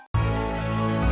terserah aku akan menyelidikinya